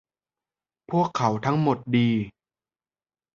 พวกเขาทั้งหมดดี